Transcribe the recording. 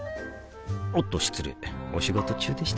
おっと失礼お仕事中でしたか